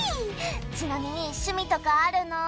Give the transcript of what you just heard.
ちなみに趣味とかあるの？